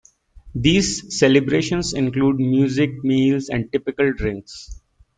These celebrations include music, meals and typical drinks.